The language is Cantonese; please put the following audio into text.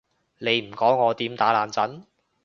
你唔講我點打冷震？